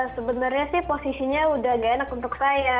sebenarnya sih posisinya sudah tidak enak untuk saya